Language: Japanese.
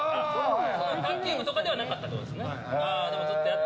卓球部とかではなかったってことですね。